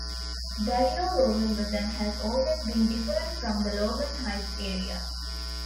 Barrio Logan was and has always been different from the Logan Heights area.